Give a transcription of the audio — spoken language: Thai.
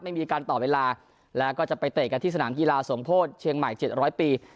ไม่มีการต่อเวลาแล้วก็จะไปเตะกันที่สนามกีฬาสมโพธิเชียงใหม่๗๐๐ปี